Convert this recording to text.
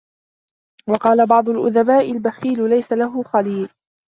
وَقَالَ بَعْضُ الْأُدَبَاءِ الْبَخِيلُ لَيْسَ لَهُ خَلِيلٌ